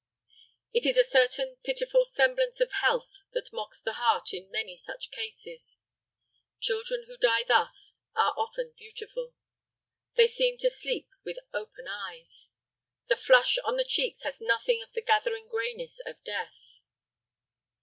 It is a certain pitiful semblance of health that mocks the heart in many such cases. Children who die thus are often beautiful. They seem to sleep with open eyes. The flush on the cheeks has nothing of the gathering grayness of death.